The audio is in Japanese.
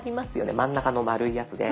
真ん中の丸いやつです。